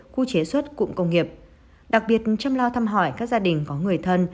khu chế xuất cụm công nghiệp đặc biệt chăm lo thăm hỏi các gia đình có người thân